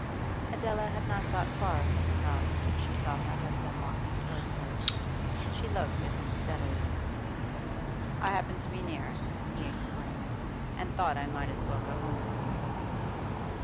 Adela had not got far from the house when she saw her husband walking towards her. She looked at him steadily. 'I happened to be near,' he explained, 'and thought I might as well go home with you.